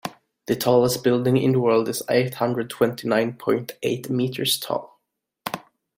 The tallest building in the world is eight hundred twenty nine point eight meters tall.